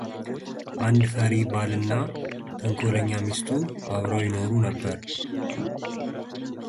አንድ ፈሪ ባልና ተንኮለኛ ሚስቱ አብረው ይኖሩ ነበር፡፡